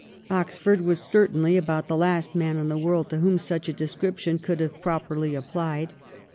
Oxford was certainly about the last man in the world to whom such a description could have properly applied.